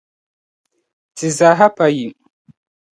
Ti zaaha pa yim.